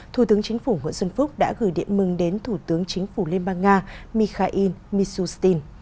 thủ tướng chính phủ nguyễn xuân phúc đã gửi điện mừng đến thủ tướng chính phủ liên bang nga mikhail mishustin